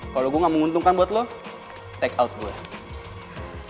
kalau gue gak menguntungkan buat lo take out gue